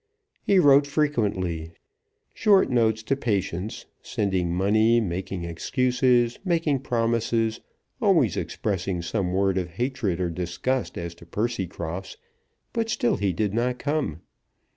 He wrote frequently, short notes to Patience, sending money, making excuses, making promises, always expressing some word of hatred or disgust as to Percycross; but still he did not come.